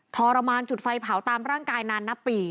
ทรมานจุดไฟเผาตามร่างกายนานนับปี